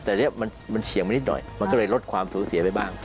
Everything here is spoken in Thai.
แต่เนี่ยมันเฉียงมานิดหน่อยมันก็เลยลดความสูญเสียไปบ้าง